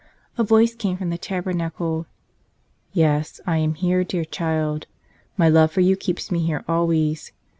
A voice came from the tabernacle, "Yes; I am here, dear child. My love for you keeps Me here always.